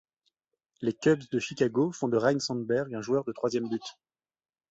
Les Cubs de Chicago font de Ryne Sandberg un joueur de troisième but.